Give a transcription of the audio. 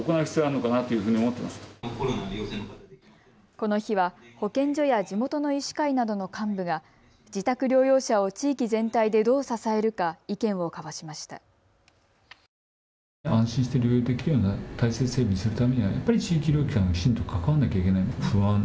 この日は保健所や地元の医師会などの幹部が自宅療養者を地域全体でどう支えるか意見を交わしました。